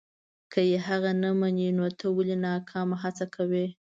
که یې هغه نه مني نو ته ولې ناکامه هڅه کوې.